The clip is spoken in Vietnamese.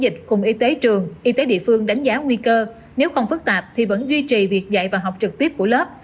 dịch cùng y tế trường y tế địa phương đánh giá nguy cơ nếu còn phức tạp thì vẫn duy trì việc dạy và học trực tiếp của lớp